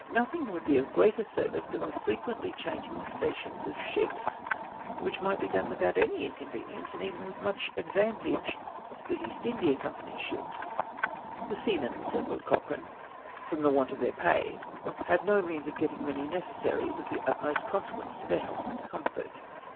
Nothing would be of greater service than the frequently changing the stations of ships, which might be done without any inconvenience, and even with much advantage to the East India Company's ships. " The seamen, said Lord Cochrane, from the want of their pay, had no means of getting many necessaries of the utmost consequence to their health and comfort.